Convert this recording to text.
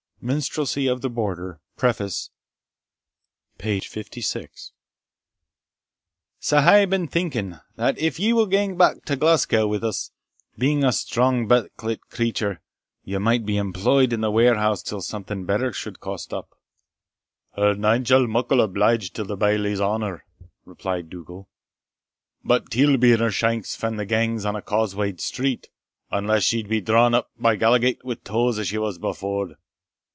Minstrelsy of the Border, Preface, p. lvi.] Sae I hae been thinking, that if ye will gang back to Glasgow wi' us, being a strong backit creature, ye might be employed in the warehouse till something better suld cast up." "Her nainsell muckle obliged till the Bailie's honour," replied Dougal; "but teil be in her shanks fan she gangs on a cause way'd street, unless she be drawn up the Gallowgate wi' tows, as she was before."